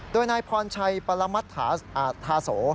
โดยนายพรชัยปรมทาโส